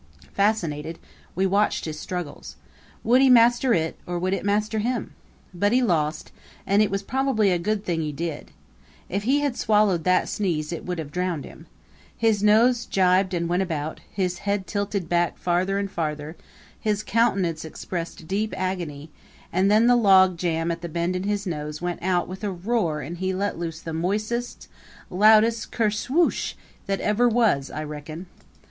Fascinated, we watched his struggles. Would he master it or would it master him? But he lost, and it was probably a good thing he did. If he had swallowed that sneeze it would have drowned him. His nose jibed and went about; his head tilted back farther and farther; his countenance expressed deep agony, and then the log jam at the bend in his nose went out with a roar and he let loose the moistest, loudest kerswoosh! that ever was, I reckon.